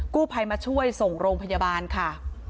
กู้ภัยมาช่วยส่งโรงพยาบาลค่ะ